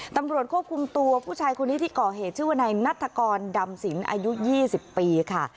ตำรวจควบคุมตัวผู้ชายคนนี้ที่ก่อเหตุชื่อว่านายนัฐกรดำสินอายุ๒๐ปีค่ะ